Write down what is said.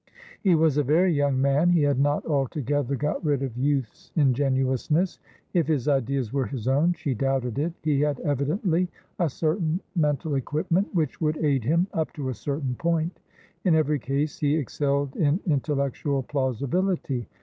He was a very young man; he had not altogether got rid of youth's ingenuousness; if his ideas were his own (she doubted it) he had evidently a certain mental equipment, which would aid himup to a certain point; in every case, he excelled in intellectual plausibility.